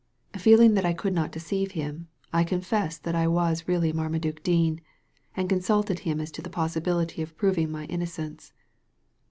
Feeling that I could not deceive him, I con fessed that I was really Marmaduke Dean, and con sulted him as to the possibility of proving my inno cence.